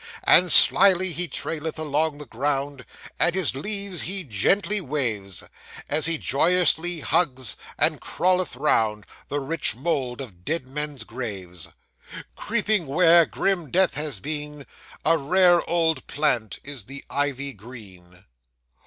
And slily he traileth along the ground, And his leaves he gently waves, As he joyously hugs and crawleth round The rich mould of dead men's graves. Creeping where grim death has been, A rare old plant is the Ivy green.